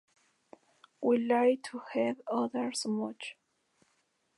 We lied to each other so much.